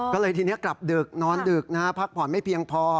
ก็เลยทีนี้กลับดึกนอนดึกนะฮะพักผ่อนไม่เพียงพอ